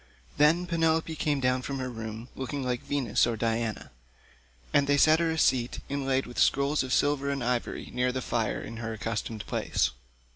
Then Penelope came down from her room looking like Venus or Diana, and they set her a seat inlaid with scrolls of silver and ivory near the fire in her accustomed place.